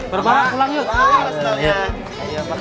barbara pulang yuk